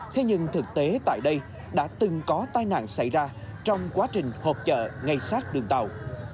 thế nhưng thực tế tại đây đã từng có tai nạn xảy ra trong quá trình hộp chợ ngay sát đường tàu